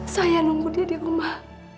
saya nunggu dia di rumah